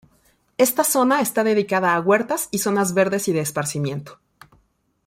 Está zona está dedicada a huertas y zonas verdes y de esparcimiento.